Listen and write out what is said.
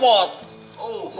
eh itu dah